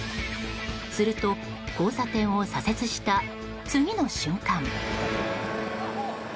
すると、交差点を左折した次の瞬間。